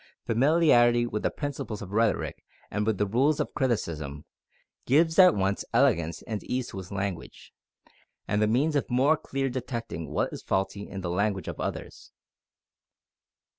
Familiarity with the principles of rhetoric and with the rules of criticism, gives at once elegance and ease to his language, and the means of more clearly detecting what is faulty in the language of others.